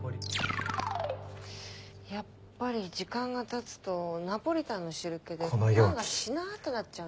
やっぱり時間がたつとナポリタンの汁気でパンがしなっとなっちゃう。